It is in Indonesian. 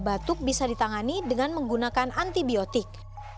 batuk bisa ditangani dengan menggunakan antibiotik